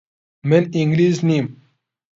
من ئینگلیز نیم.